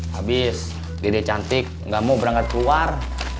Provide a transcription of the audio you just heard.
habis gede cantik nggak mau berangkat keluar